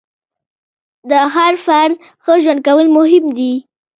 د هر فرد ښه ژوند کول مهم دي.